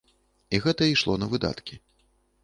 І гэта ішло на выдаткі.